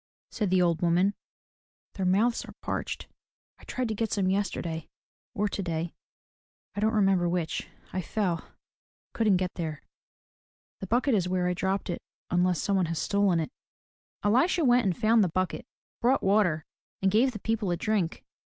'* said the old woman, "their mouths are parched. I tried to get some, yesterday or today, — I don't remember which — I fell, couldn't get there. The bucket is where I dropped it unless some one has stolen it." Elisha went and found the bucket, brought water, and gave the people a drink.